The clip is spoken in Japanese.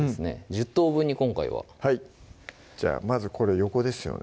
１０等分に今回ははいじゃあまずこれ横ですよね